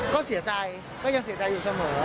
ก็เสียใจก็ยังเสียใจอยู่เสมอ